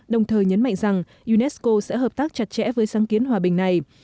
đồng thời nhấn mạnh rằng unesco sẽ hợp tác chặt chẽ với sáng kiến hòa bình này